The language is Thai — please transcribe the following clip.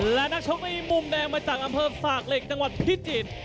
และนักชกในมุมแดงมาจากอำเภอสากเหล็กจังหวัดพิจิตร